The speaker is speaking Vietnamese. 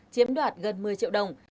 chiếm đoạt gần một mươi triệu đồng